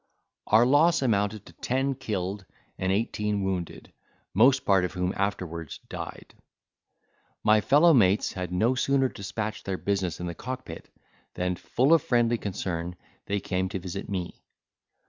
Our loss amounted to ten killed, and eighteen wounded, most part of whom afterwards died. My fellow mates had no sooner despatched their business in the cock pit, than, full of friendly concern, they came to visit me.